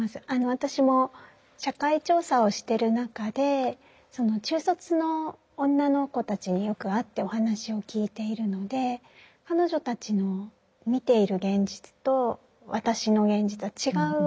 私も社会調査をしてる中で中卒の女の子たちによく会ってお話を聞いているので彼女たちの見ている現実と私の現実は違うわけなんです。